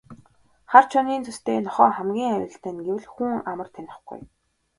Хар чонын зүстэй нохойн хамгийн аюултай нь гэвэл хүн амар танихгүй.